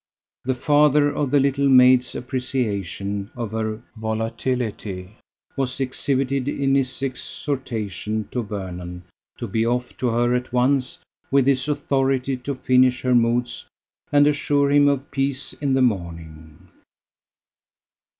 The father of the little maid's appreciation of her volatility was exhibited in his exhortation to Vernon to be off to her at once with his authority to finish her moods and assure him of peace in the morning.